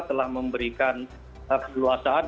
telah memberikan kekuasaan